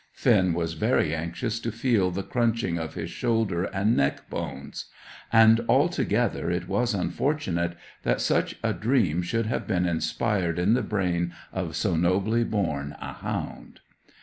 Finn was very anxious to feel the crunching of his shoulder and neck bones; and altogether it was unfortunate that such a dream should have been inspired in the brain of so nobly born a hound.